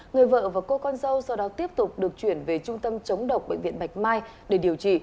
người vợ và cô con dâu sau đó tiếp tục được chuyển về trung tâm chống độc bệnh viện bạch mai để điều trị